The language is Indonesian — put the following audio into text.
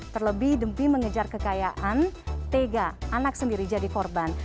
terlebih demi mengejar kekayaan tega anak sendiri jadi korban